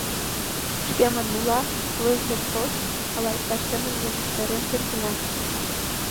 — Шке манмыла, Лазыр тос... ала иктаж семын йӧнештарен кертына.